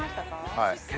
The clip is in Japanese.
はい。